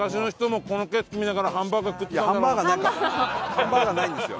ハンバーガーないんですよ。